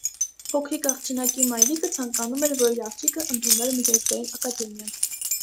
Փոքրիկ աղջնակի մայրիկը ցանկանում էր, որ իր աղջիկը ընդունվեր միջազգային ակադեմիա։